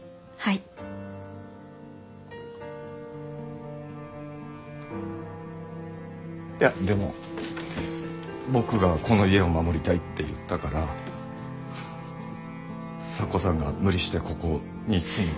いやでも僕がこの家を守りたいって言ったから咲子さんが無理してここに住む。